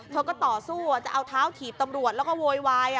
เธอก็ต่อสู้จะเอาเท้าถีบตำรวจแล้วก็โวยวาย